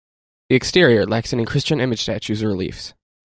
The exterior lacks any Christian image statues or reliefs.